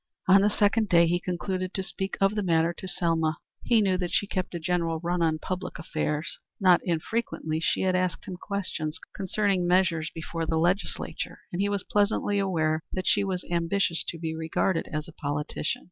On the second day he concluded to speak of the matter to Selma. He knew that she kept a general run of public affairs. Not infrequently she had asked him questions concerning measures before the Legislature, and he was pleasantly aware that she was ambitious to be regarded as a politician.